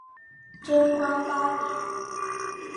贞观八年。